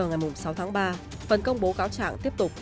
tám giờ ngày sáu tháng ba phần công bố cáo trạng tiếp tục